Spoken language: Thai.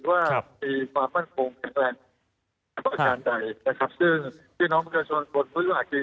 ว่ามีความมั่นคงแข็งแรงข้อมูลชาญใดนะครับ